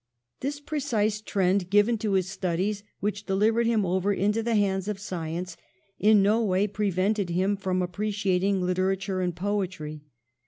This precise trend given to his studies, which delivered him over into the hands of science, in no way prevented him from appreciating literature and poetry.